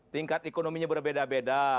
tingkat ekonominya berbeda beda